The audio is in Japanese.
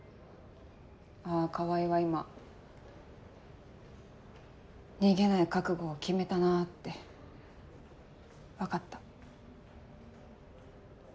あぁ川合は今逃げない覚悟を決めたなって分かった。